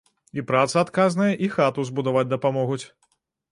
І праца адказная, і хату збудаваць дапамогуць.